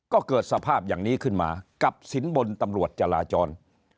ก็เกิดสภาพอย่างนี้ขึ้นมากับสินบนตำรวจจราจร